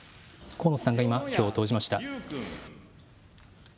河野さんが今、票を投じました。